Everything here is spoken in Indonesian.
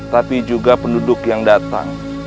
tapi juga penduduk yang datang